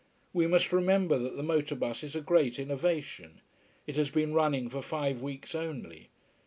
We must remember that the motor bus is a great innovation. It has been running for five weeks only.